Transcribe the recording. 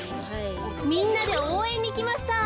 みんなでおうえんにきました。